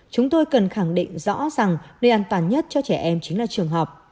chúng tôi cần khẳng định rõ ràng nơi an toàn nhất cho trẻ em chính là trường học